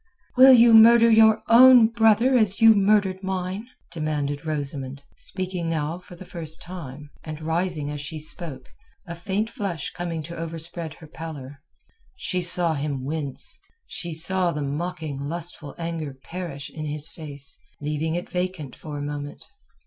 "Will you murder your own brother as you murdered mine?" demanded Rosamund, speaking now for the first time, and rising as she spoke, a faint flush coming to overspread her pallor. She saw him wince; she saw the mocking lustful anger perish in his face, leaving it vacant for a moment.